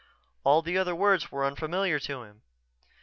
All the other words were unfamiliar to him.